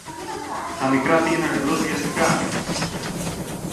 Τα μικρά πήγαιναν εμπρός, βιαστικά